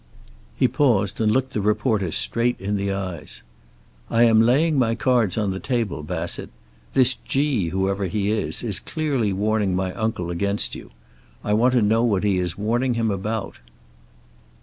He paused, and looked the reporter straight in the eyes. "I am laying my cards on the table, Bassett. This 'G,' whoever he is, is clearly warning my uncle against you. I want to know what he is warning him about."